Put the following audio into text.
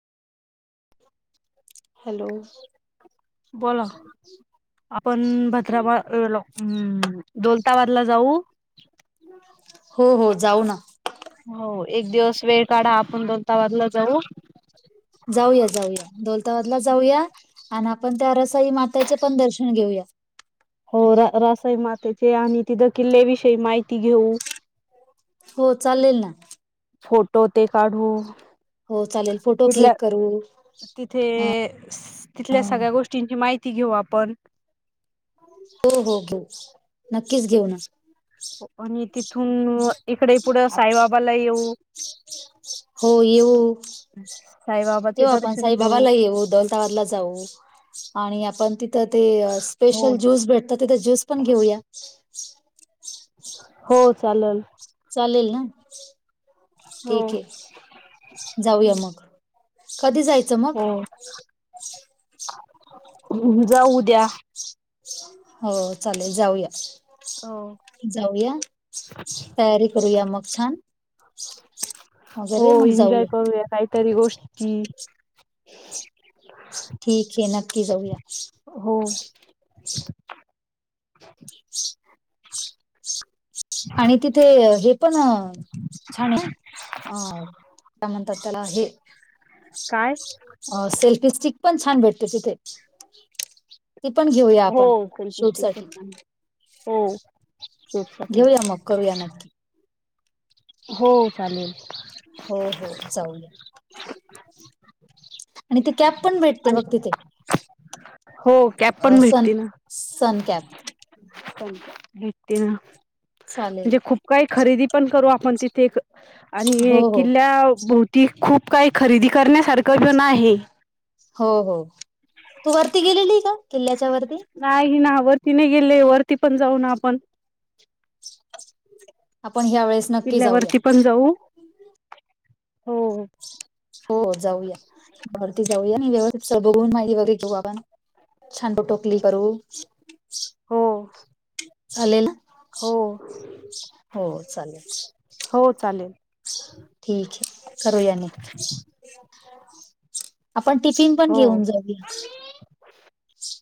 Hello. बोला. आपण भद्राबा येलो दोलताबादला जाऊ. हो हो जाऊ ना. हो. एक दिवस वेळ काढा. आपण दौलताबादला जाऊ. जाऊया, जाऊया दोलताबादला जाऊया. आणि आपण त्या रसाई मातेचे पण दर्शन घेऊया. हो रासाई मातेचे आणि तिथं किल्ल्याविषयी माहिती घेऊ. हो चालेल ना. फोटो ते काढू. हो चालेल फोटो तिथल्या क्लिक करू. तिथे, अ तिथल्या सगळ्या हो गोष्टींची माहिती घेऊ आपण. हो. हो. हो. नक्कीच घेऊ ना. हो आणि तिथून इकडे पुढं साईबाबाला येऊ. हो येऊ साईबाबाचे दर्शन घेऊ. ते दौलताबादला जाऊ. आणि आपण तिथ ते हो स्पेशल- ज्यूस भेटत तिथ ज्यूस पण घेऊया. हो चालल. चालेल ना? हो ठीक ए. जाऊया मग. कधी जाय- [unintelligible] जावू उद्या. हो. चालेल जाऊया. हो जाऊया. तयारी करूया मग छान. वगैरे मग जाऊया. [unintelligible] तरी गोष्टी- ठीक ए. नक्की जाऊया. हो. [inaudible] आणि तिथे हे पण छान आहे ना? अ काय म्हण - - तात त्याला हे. काय अं. सेल्फी स्टिक पण छान भेटते तिथे. ती पण घेऊया. हो. आपण सेल्फी शूट साठी स्टिक [unintelligible] हो. शूट साठी घेऊया मग. करूया नक्की. हो. चालेल. हो हो. जाऊया. आणि ती कॅप पण भेटते आणि बघ तिथे. हो कॅप अ पण सन- सनकॅप. सनकॅप भेटते ना. चालेल म्हणजे खूप काही खरेदी पण करू आपण तिथे- आणि हो हो किल्ल्या भोवती खूप काही खरेदी करण्यासारखं पण आहे. हो हो. तू वरती गेलेली ए का? किल्ल्याच्या वरती. नाही ना. वरती नाही गेलेय. वरती पण जाऊ ना आपण. आपण ह्या वेळेस- नक्की जाऊया किल्ल्यावरती पण जाऊ. हो. हो जाऊया. वरती जाऊया व्यवस्थित बघून माहिती वगैरे घेऊ आपण. छान फोटो क्लि करू. हो चालेल ना? हो हो चालेल. हो चालेल. ठीक ए. करु या नक्की. आपण टिफिन पण हो घेऊन जाऊया.